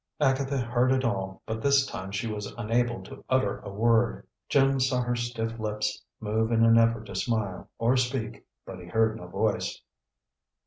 Agatha heard it all, but this time she was unable to utter a word. Jim saw her stiff lips move in an effort to smile or speak, but he heard no voice.